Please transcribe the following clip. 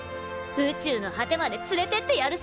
宇宙の果てまで連れてってやるさ。